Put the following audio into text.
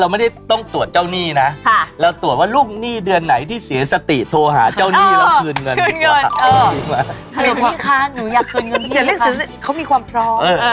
เม้ยเราไม่ต้องตรวจเจ้าหนี้นะเราตรวจว่าลูกหนี้เดือนไหนที่เสียสติโทรหาเจ้าหนี้แล้วคืนเงิน